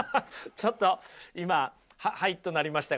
ちょっと今「ははい」となりましたが。